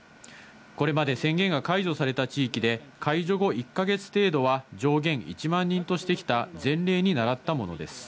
これまで宣言が解除された地域で解除後１か月程度は上限１万人としてきた前例にならったものです。